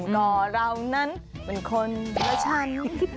ก่อเรานั้นเหมือนคนละชั้น